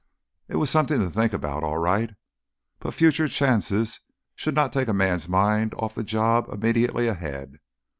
It was something to think about, all right. But future chances should not take a man's mind off the job immediately ahead.